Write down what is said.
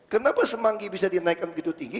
kenapa semanggi bisa dinaikkan begitu tinggi